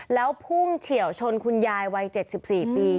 แล้วพุ่งเฉียวชนคุณยายวัย๗๔ปี